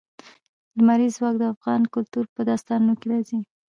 لمریز ځواک د افغان کلتور په داستانونو کې راځي.